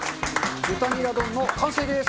豚ニラ丼の完成です！